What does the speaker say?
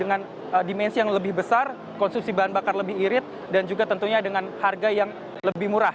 dengan dimensi yang lebih besar konsumsi bahan bakar lebih irit dan juga tentunya dengan harga yang lebih murah